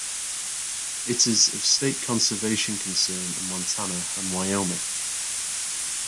It is of state conservation concern in Montana and Wyoming.